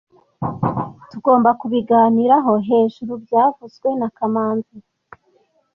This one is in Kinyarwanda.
Tugomba kubiganiraho hejuru byavuzwe na kamanzi